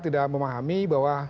tidak memahami bahwa